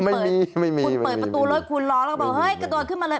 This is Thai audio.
ไม่มีไม่มีคุณเปิดประตูรถคุณล้อแล้วก็บอกเฮ้ยกระโดดขึ้นมาเลย